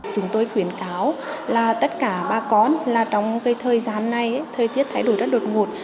chúng tôi khuyến cáo là tất cả bà con trong thời gian này thời tiết thay đổi rất đột ngột